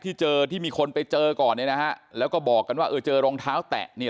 ที่เจอที่มีคนไปเจอก่อนแล้วก็บอกกันว่าเจอรองเท้าแตะนี่